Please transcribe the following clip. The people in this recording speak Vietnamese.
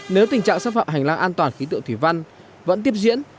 nếu tình trạng xâm phạm hành lang an toàn khí tượng thủy văn vẫn tiếp diễn